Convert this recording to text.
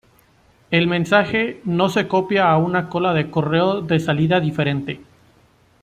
El mensaje no se copia a una cola de correo de salida diferente.